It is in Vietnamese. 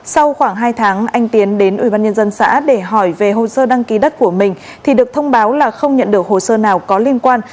sau khoảng hai tháng anh tiến đến ubnd xã để hỏi về hồ sơ đăng ký đất của mình thì được thông báo là không nhận được hồ sơ nào có liên quan